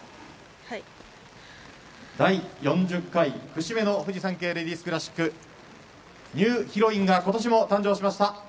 第４０回、節目のフジサンケイレディスクラシックニューヒロインが今年も誕生しました。